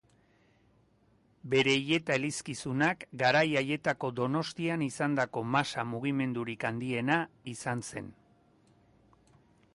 Bere hileta-elizkizunak garai haietako Donostian izandako masa-mugimendurik handiena izan zen.